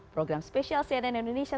program spesial cnn indonesia